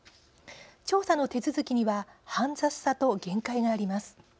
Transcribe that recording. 調査の手続きには煩雑さと限界があります。